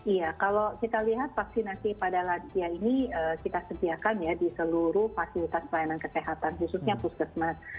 iya kalau kita lihat vaksinasi pada lansia ini kita sediakan ya di seluruh fasilitas pelayanan kesehatan khususnya puskesmas